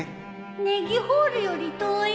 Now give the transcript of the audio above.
ネギホールより遠い？